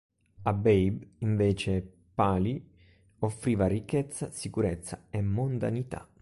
A Babe invece Paley offriva ricchezza, sicurezza e mondanità.